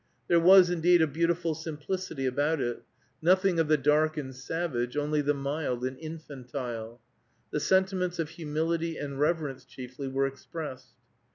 There was, indeed, a beautiful simplicity about it; nothing of the dark and savage, only the mild and infantile. The sentiments of humility and reverence chiefly were expressed.